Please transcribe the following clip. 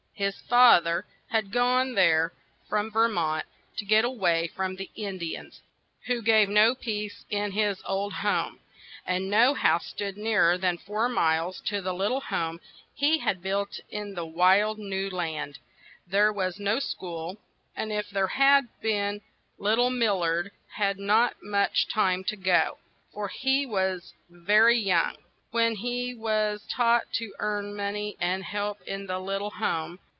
His fa ther had gone there from Ver mont, to get a way from the In di ans, who gave no peace in his old home; and no house stood near er than four miles to the lit tle home he had built in the wild new land; there was no school; and if there had been lit tle Mil lard had not much time to go; for he was ver y young, when he was taught to earn mon ey and help in the lit tle home.